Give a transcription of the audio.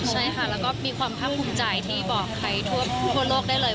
ใช่ค่ะแล้วก็มีความภาคภูมิใจที่บอกใครทั่วโลกได้เลย